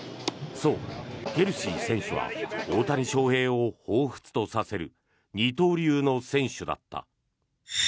そう、ケルシー選手は大谷翔平をほうふつとさせる二刀流の選手だった。